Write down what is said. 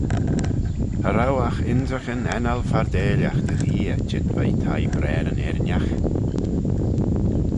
Cha row agh ynrican ennal fardeillagh dy gheay çheet veih thie braar yn eirinagh.